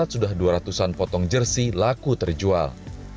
sudah dua ratus an potong jersi laku terjual